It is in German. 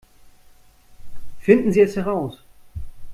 Finden Sie es heraus!